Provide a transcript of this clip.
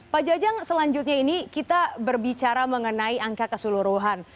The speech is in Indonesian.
pak jajang selanjutnya ini kita berbicara mengenai angka keseluruhan